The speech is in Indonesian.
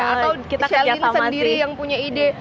atau sheldon sendiri yang punya ide